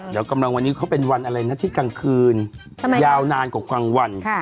เดี๋ยวกำลังวันนี้เขาเป็นวันอะไรนะที่กลางคืนยาวนานกว่ากลางวัน